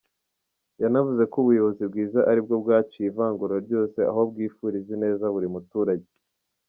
Yanavuze ko ubuyobozi bwiza ari bwo bwaciye ivangura ryose, aho bwifuriza ineza buri muturage.